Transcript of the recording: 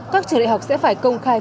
các trường đại học sẽ phải công khai